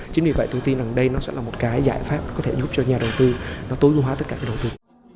chính vì vậy tôi tin rằng đây nó sẽ là một cái giải pháp có thể giúp cho nhà đầu tư nó tối ưu hóa tất cả cái đầu tư